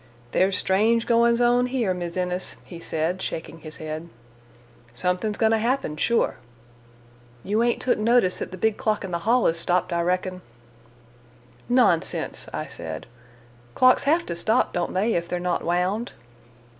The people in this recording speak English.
"There's strange goin's on here, Mis' Innes," he said, shaking his head. "Somethin's goin' to happen, sure. You ain't took notice that the big clock in the hall is stopped, I reckon?" "Nonsense," I said. "Clocks have to stop, don't they, if they're not wound?"